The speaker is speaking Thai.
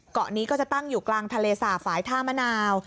เกาะนี้ก็จะตั้งอยู่กลางทะเลสาบฝ่ายท่ามะนาว